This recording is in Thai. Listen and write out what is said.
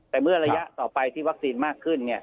แต่เมื่อระยะต่อไปที่วัคซีนมากขึ้น